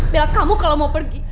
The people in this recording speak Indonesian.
bela kamu kalau mau pergi